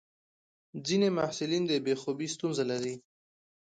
ځینې محصلین د بې خوبي ستونزه لري.